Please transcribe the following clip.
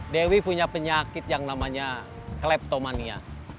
dewi punya penyakit yang namanya kleptomania